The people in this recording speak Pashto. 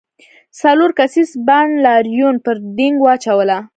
څلور کسیز بانډ لاریون پر دینګ واچوله.